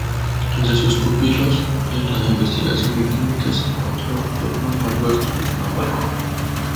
Entre sus pupilos en la investigación bioquímica se encontró su hermano Alberto Guzmán Barron.